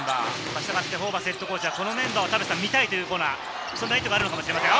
したがってホーバスＨＣはこのメンバーを見たいということ、そんな意図があるのかもしれません。